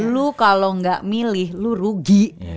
lu kalo gak milih lu rugi